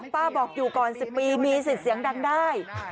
ป้าบอกอยู่ก่อน๑๐ปีมีสิทธิ์เสียงดังได้